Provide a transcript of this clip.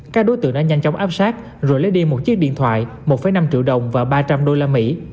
các đối tượng đã nhanh chóng áp sát rồi lấy đi một chiếc điện thoại một năm triệu đồng và ba trăm linh đô la mỹ